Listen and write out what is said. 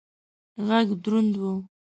غږ دروند و.